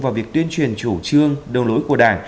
vào việc tuyên truyền chủ trương đồng lỗi của đảng